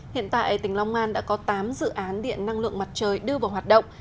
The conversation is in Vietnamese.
hiện tại tỉnh long an đã có tám dự án điện năng lượng mặt trời đưa vào hoạt động